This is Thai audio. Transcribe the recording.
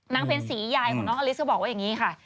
เพ็ญศรียายของน้องอลิสก็บอกว่าอย่างนี้ค่ะ